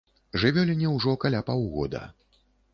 Жывёліне ўжо каля паўгода.